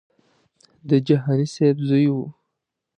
د جهاني صاحب زوی و.